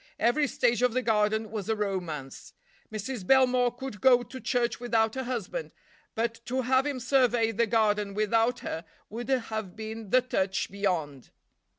Every stage of the garden was a romance. Mrs. Belmore could go to church without her husband, but to have him survey the garden without her would have been the touch beyond.